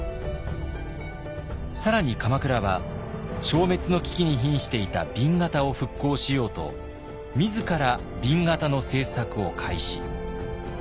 更に鎌倉は消滅の危機にひんしていた紅型を復興しようと自ら紅型の制作を開始。